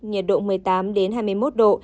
nhiệt độ một mươi tám hai mươi một độ